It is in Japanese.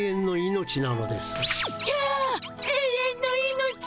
「永遠の命」♥